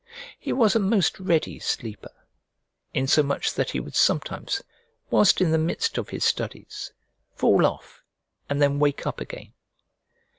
He was a most ready sleeper, insomuch that he would sometimes, whilst in the midst of his studies, fall off and then wake up again.